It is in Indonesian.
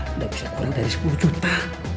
tidak bisa kurang dari sepuluh juta